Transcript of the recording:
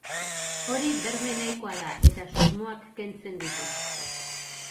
Hori berme nahikoa da eta susmoak kentzen ditu.